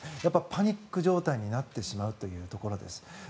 パニック状態になってしまうというところです。